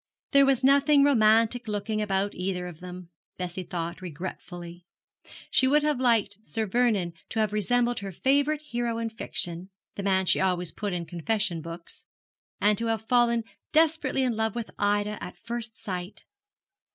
There was nothing romantic looking about either of them, Bessie thought, regretfully. She would have liked Sir Vernon to have resembled her favourite hero in fiction (the man she always put in confession books), and to have fallen desperately in love with Ida at first sight.